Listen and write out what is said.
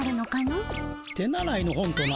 手習いの本とな？